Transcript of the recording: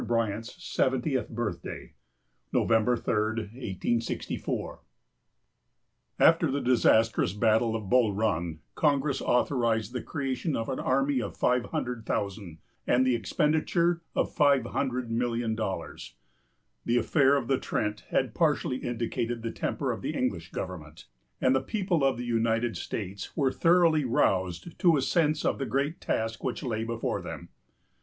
BRYANT'S SEVENTIETH BIRTHDAY. NOVEMBER 3, 1864. [After the disastrous battle of Bull Run, Congress authorized the creation of an army of 500,000, and the expenditure of $500,000,000. The affair of the Trent had partially indicated the temper of the English government, and the people of the United States were thoroughly roused to a sense of the great task which lay before them.